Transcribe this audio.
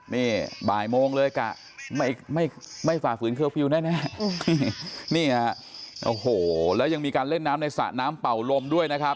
นี่บ่ายโมงเลยกะไม่ไม่ฝ่าฝืนเคอร์ฟิลล์แน่นี่ฮะโอ้โหแล้วยังมีการเล่นน้ำในสระน้ำเป่าลมด้วยนะครับ